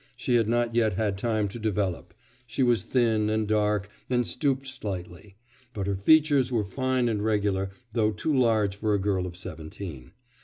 She had not yet had time to develop; she was thin, and dark, and stooped slightly. But her features were fine and regular, though too large for a girl of seventeen.